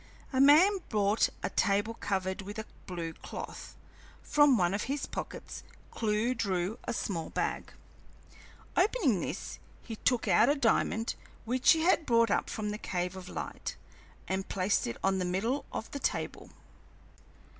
A man brought a table covered with a blue cloth, and from one of his pockets Clewe drew a small bag. Opening this, he took out a diamond which he had brought up from the cave of light, and placed it on the middle of the table.